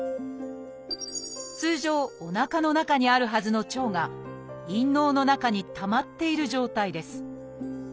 通常おなかの中にあるはずの腸が陰嚢の中にたまっている状態です。